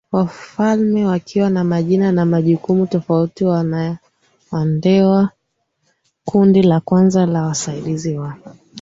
Wafalme wakiwa na majina na majukumu tofautiWandewa Kundi la kwanza la wasaidizi wa